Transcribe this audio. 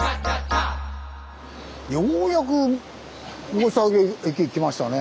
ようやく大阪駅へ来ましたね。